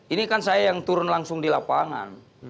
ini kan saya yang turun langsung di lapangan